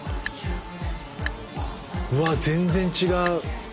うわ全然違う！